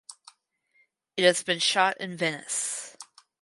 It has been shot in Venice.